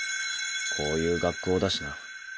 こういう学校だしな